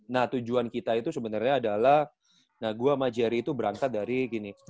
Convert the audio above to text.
nah tujuan kita itu sebenernya adalah nah gue sama jerry itu berangkat dari gini